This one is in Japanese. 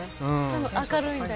明るいんだ？